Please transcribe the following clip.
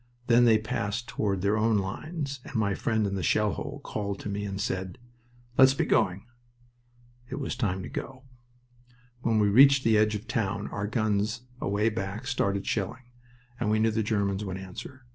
Then they passed toward their own lines, and my friend in the shell hole called to me and said, "Let's be going." It was time to go. When we reached the edge of the town our guns away back started shelling, and we knew the Germans would answer.